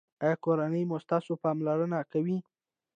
ایا کورنۍ مو ستاسو پاملرنه کوي؟